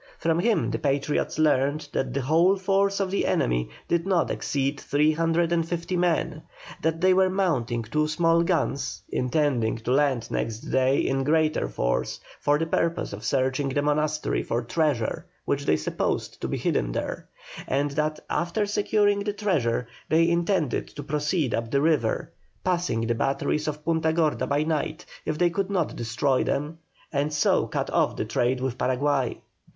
From him the Patriots learned that the whole force of the enemy did not exceed three hundred and fifty men, that they were mounting two small guns, intending to land next day in greater force for the purpose of searching the monastery for treasure which they supposed to be there hidden, and that after securing the treasure they intended to proceed up the river, passing the batteries of Punta Gorda by night, if they could not destroy them, and so cut off the trade with Paraguay.